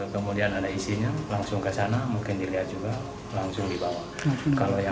kemudian ada isinya langsung ke sana